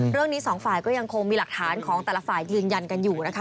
เรื่องนี้สองฝ่ายก็ยังคงมีหลักฐานของแต่ละฝ่ายยืนยันกันอยู่นะคะ